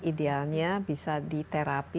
idealnya bisa diterapi